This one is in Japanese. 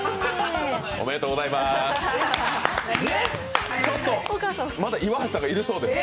おめでとうございます。